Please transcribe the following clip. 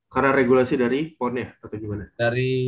karena regulasi dari ponnya atau gimana